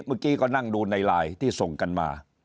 เมื่อกี้ก็นั่งดูในไลน์ที่ส่งกันมา